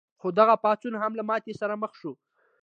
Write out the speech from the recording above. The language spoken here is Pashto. خو دغه پاڅون هم له ماتې سره مخ شو.